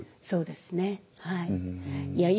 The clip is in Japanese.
そうですねはい。